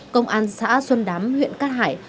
công an xã xuân đám huyện cát hải